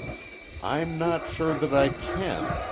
"I'm not sure that I can.